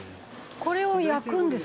「これを焼くんですね？」